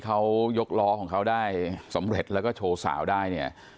เขายกล้อของเขาได้สำเร็จแล้วก็โชว์สาวได้เนี่ย